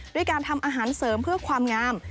ด้วยการทำอาหารเสริมเพื่อความงาม